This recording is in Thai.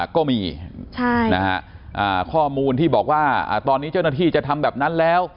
ก็มีข้อมูลที่บอกว่าตอนนี้เจ้าหน้าที่จะทำแบบนั้นแล้ว